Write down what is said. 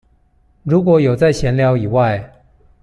如果有在閒聊以外